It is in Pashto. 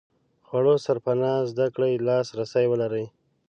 خوړو سرپناه زده کړې لاس رسي ولري.